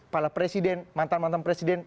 para presiden mantan mantan presiden